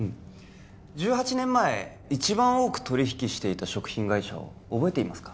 １８年前一番多く取引していた食品会社を覚えていますか？